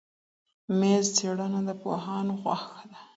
میز څېړنه د پوهانو خوښه ده.